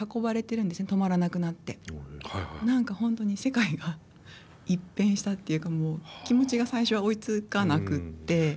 何か本当に世界が一変したっていうか気持ちが最初は追いつかなくって。